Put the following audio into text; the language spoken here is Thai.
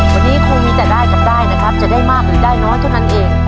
วันนี้คงมีแต่ได้กับได้นะครับจะได้มากหรือได้น้อยเท่านั้นเอง